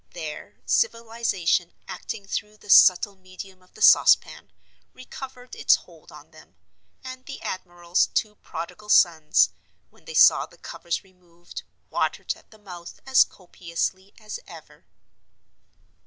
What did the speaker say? There, Civilization, acting through the subtle medium of the Saucepan, recovered its hold on them; and the admiral's two prodigal sons, when they saw the covers removed, watered at the mouth as copiously as ever.